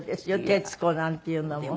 「徹子」なんていうのも。